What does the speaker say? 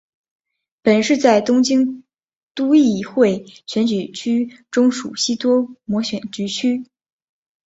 本市在东京都议会选举区中属西多摩选举区。